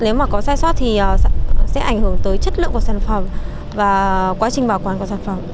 nếu mà có sai sót thì sẽ ảnh hưởng tới chất lượng của sản phẩm và quá trình bảo quản của sản phẩm